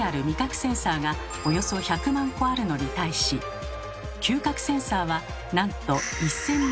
センサーがおよそ１００万個あるのに対し嗅覚センサーはなんと１，０００万個。